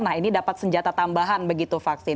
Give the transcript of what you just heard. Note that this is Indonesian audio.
nah ini dapat senjata tambahan begitu vaksin